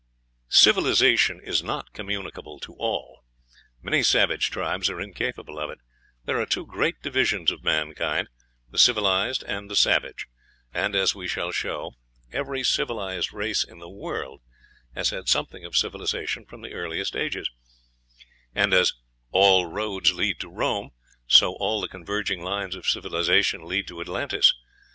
Civilization is not communicable to all; many savage tribes are incapable of it. There are two great divisions of mankind, the civilized and the savage; and, as we shall show, every civilized race in the world has had something of civilization from the earliest ages; and as "all roads lead to Rome," so all the converging lines of civilization lead to Atlantis.